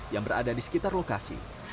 yang berada di sekitar lokasi